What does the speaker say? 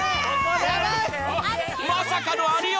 まさかの有吉。